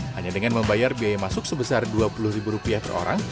hanya dengan membayar biaya masuk sebesar rp dua puluh